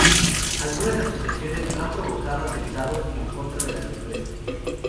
Algunas asociaciones han provocado atentados en contra de la empresa.